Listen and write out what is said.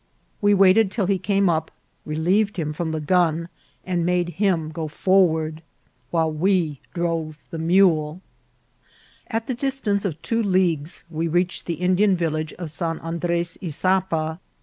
We waited till he came up, relieved him from the gun, and made him go forward, 144 INCIDENTS OF TRAVEL. while we drove the mule. At the distance of two leagues we reached the Indian village of San Andres Isapa.